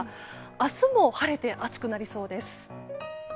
明日も晴れて暑くなりそうです。